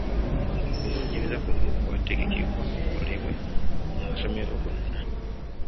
Okunoonyereza kuno kwategekebwa kukolebwe mu masomero gonna.